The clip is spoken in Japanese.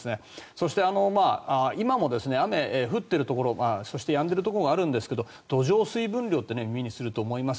そして今も雨、降ってるところそしてやんでいるところがあるんですが土壌水分量って耳にすると思います。